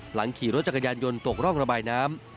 หลังขี่รถจักรยานยนต์ตกร่องระบายน้ำ